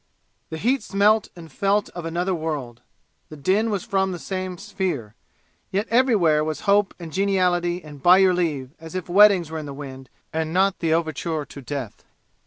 The heat smelt and felt of another world. The din was from the same sphere. Yet everywhere was hope and geniality and by your leave as if weddings were in the wind and not the overture to death.